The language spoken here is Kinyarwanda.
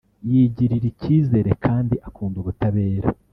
yigirira icyizere kandi akunda ubutabera